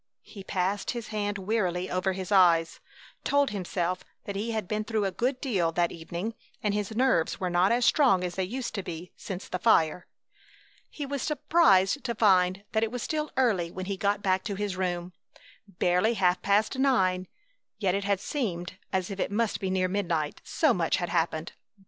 He passed his hand wearily over his eyes, told himself that he had been through a good deal that evening and his nerves were not as strong as they used to be since the fire. He was surprised to find that it was still early when he got back to his room, barely half past nine. Yet it had seemed as if it must be near midnight, so much had happened.